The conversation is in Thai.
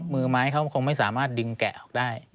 มือไม้เขาคงไม่สามารถดึงแกะออกได้